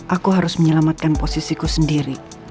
aku harus menyelamatkan posisiku sendiri